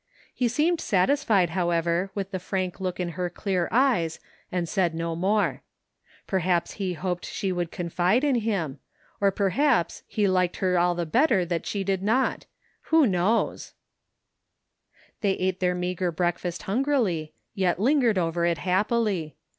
He seemed satisfied, however, with the frank look in her clear eyes and said no more. Perhaps he hoped she would confide in him — or perhaps he liked her all the better that she did not — ^who knows ? 53 THE FINDING OF JASPER HOLT They ate their meagre breakfast hungrily, yet lingered over it happily.